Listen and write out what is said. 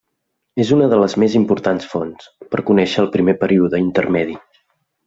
És una de les més importants fonts per conèixer el primer període intermedi.